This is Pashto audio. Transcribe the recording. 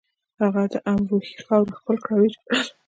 هغه د امروهې خاوره ښکل کړه او وژړل